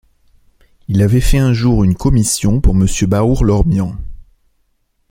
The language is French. Il avait fait un jour une commission pour monsieur Baour-Lormian